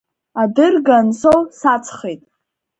Адырга ансоу саҵхеит.